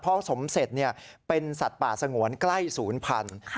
เพราะสมเสร็จเป็นสัตว์ป่าสงวนใกล้ศูนย์พันธุ์